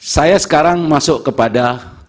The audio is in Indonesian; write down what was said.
saya sekarang masuk kepada